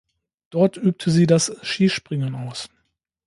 Dort übte sie das Skispringen aus.